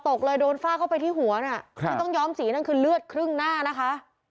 ตกเลยโดนฟาดเข้าไปที่หัวน่ะครับที่ต้องย้อมสีนั่นคือเลือดครึ่งหน้านะคะ